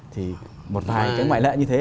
thì một vài cái ngoại lệ như thế